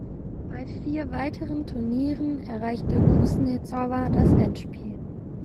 Bei vier weiteren Turnieren erreichte Kusnezowa das Endspiel.